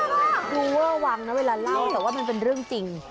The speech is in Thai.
น่าตื่นเว่าั้งเวลาใต้เล่าแต่ว่ามันเป็นเรื่องจริง